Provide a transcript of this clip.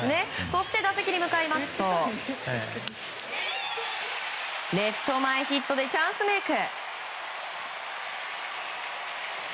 そして打席に向かいますとレフト前ヒットでチャンスメイク。